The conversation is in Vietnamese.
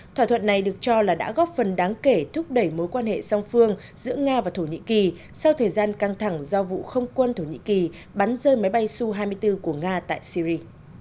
thỏa thuận này được cho là đã góp phần đáng kể thúc đẩy mối quan hệ song phương giữa nga và thổ nhĩ kỳ sau thời gian căng thẳng do vụ không quân thổ nhĩ kỳ bắn rơi máy bay su hai mươi bốn của nga tại syri